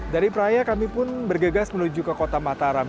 dari praya kami pun bergegas menuju ke kota mataram